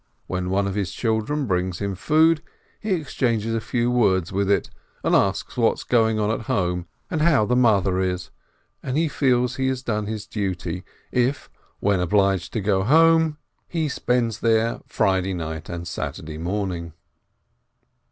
"When one of his children brings him food, he exchanges a few words with it, asks what is going on at home, and how the mother is, and he feels he has done his duty, if, when obliged to go home, he spends there Friday night AVKOHOM THE ORCHARD KEEPER 431 and Saturday morning.